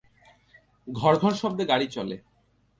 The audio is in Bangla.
ঘরঘর শব্দে গাড়ি চলে।